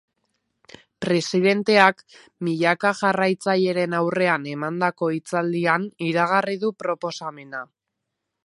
Presidenteak milaka jarraitzaileren aurren emandako hitzaldian iragarri du proposamena.